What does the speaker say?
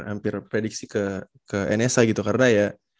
hampir prediksi ke nsa gitu karena ya